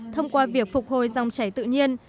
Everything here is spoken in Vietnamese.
thông qua việc phục hồi dòng chảy tự nhiên